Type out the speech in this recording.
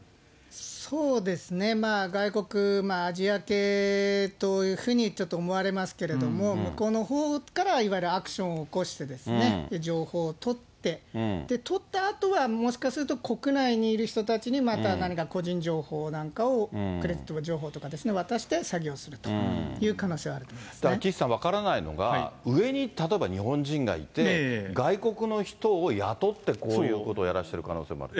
そうですね、外国、アジア系というふうにちょっと思われますけれども、向こうのほうから、いわゆるアクションを起こして、情報を取って、取ったあとは、もしかすると国内にいる人たちにまた何か個人情報なんかを、クレジット情報なんかを渡して詐欺をするという可能性はありますだから岸さん、分からないのが、上に、例えば日本人がいて、外国の人を雇ってこういうことをやらせてる可能性もある。